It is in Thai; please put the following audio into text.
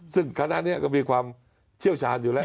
ซึ่งคณะนี้ก็มีความเชี่ยวชาญอยู่แล้ว